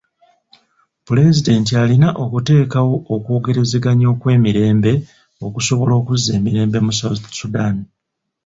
Pulezidenti alina okuteekawo okwogerezeganya okw'emirembe okusobola okuzza emirembe mu South Sudan.